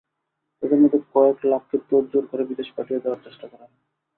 তাঁদের মধ্যে কয়েক লাখকে তোড়জোড় করে বিদেশে পাঠিয়ে দেওয়ার চেষ্টা করা হয়।